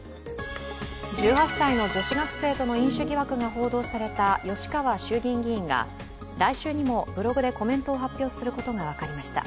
１８歳の女子学生との飲酒疑惑が報道された吉川衆議院議員が来週にもブログでコメントを発表することが分かりました。